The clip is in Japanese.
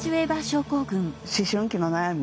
思春期の悩み？